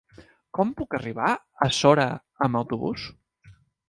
Com puc arribar a Sora amb autobús?